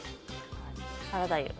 サラダ油。